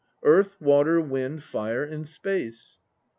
Earth, water, wind, fire and space.